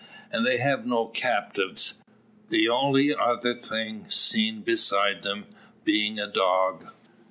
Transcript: And they have no captives, the only other thing seen beside them being a dog!